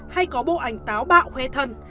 hay có bộ ảnh táo bạo huê thân